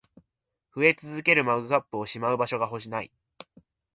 増え続けるマグカップをしまう場所が無い